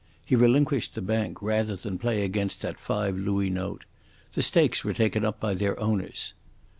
He relinquished the bank rather than play against that five louis note. The stakes were taken up by their owners.